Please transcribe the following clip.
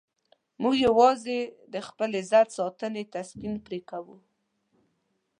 موږ یوازې د خپل عزت ساتنې تسکین پرې کوو.